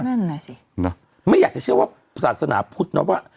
นั่นน่ะสิไม่อยากจะเชื่อว่าศาสนาพุทธเนอะว่า